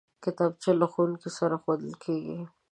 کتابچه له ښوونکي سره ښودل کېږي